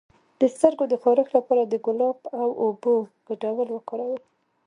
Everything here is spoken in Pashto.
د سترګو د خارښ لپاره د ګلاب او اوبو ګډول وکاروئ